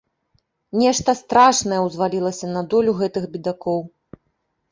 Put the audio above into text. Нешта страшнае ўзвалілася на долю гэтых бедакоў.